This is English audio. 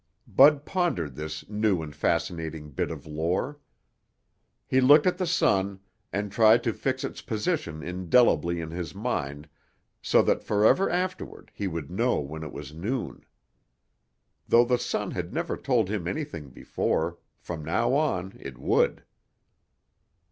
Bud pondered this new and fascinating bit of lore. He looked at the sun and tried to fix its position indelibly in his mind so that forever afterward he would know when it was noon. Though the sun had never told him anything before, from now on it would.